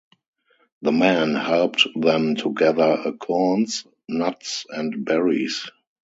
The men helped them to gather acorns, nuts, and berries.